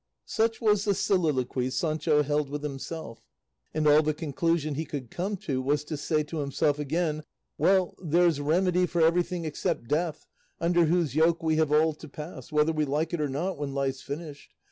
Such was the soliloquy Sancho held with himself, and all the conclusion he could come to was to say to himself again, "Well, there's remedy for everything except death, under whose yoke we have all to pass, whether we like it or not, when life's finished.